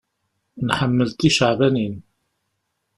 Nḥemmel ticeɛbanin.